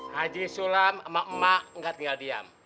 haji sulam sama emak nggak tinggal diam